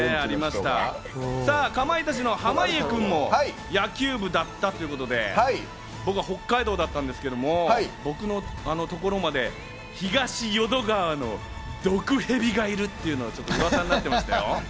さぁ、かまいたちの濱家君も野球部だったということで、僕は北海道だったんですけど、僕のところまで東淀川の毒蛇がいるってうわさになってましたよ。